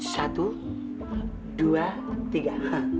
satu dua tiga